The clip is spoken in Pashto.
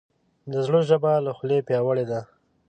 د زړه ژبه له خولې پیاوړې ده.